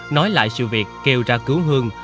kể lại sự việc kêu ra cứu hương